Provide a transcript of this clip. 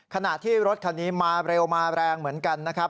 ขณะที่รถคันนี้มาเร็วมาแรงเหมือนกันนะครับ